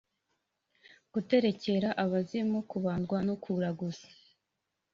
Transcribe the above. guterekera abazimu, kubandwa no kuraguza.